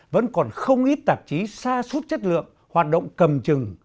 vẫn còn không ít tạp chí xa suốt chất lượng hoạt động cầm chừng